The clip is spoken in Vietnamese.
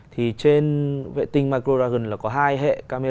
thì trên vệ tinh macroragon là có hai hệ camera